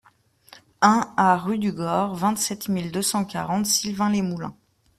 un A rue du Gord, vingt-sept mille deux cent quarante Sylvains-les-Moulins